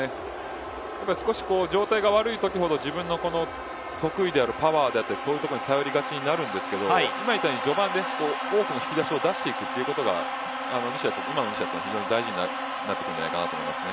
少し状態が悪いときほど自分の得意であるパワーであったりそういうところに頼りがちになりますが今のように序盤で多くの引き出しを出していくというところが西田にとって非常に大事になってくると思いますね。